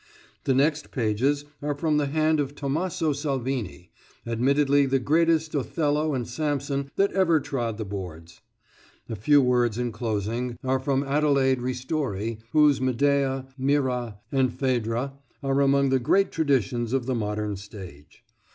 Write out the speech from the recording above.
The next pages are from the hand of Tommaso Salvini, admittedly the greatest Othello and Samson that ever trod the boards. A few words, in closing, are from Adelaide Ristori, whose Medea, Myrrha and Phaedra are among the great traditions of the modern stage.